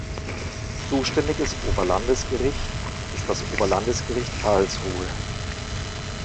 Zuständiges Oberlandesgericht ist das Oberlandesgericht Karlsruhe.